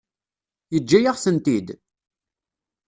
Yeǧǧa-yaɣ-tent-id?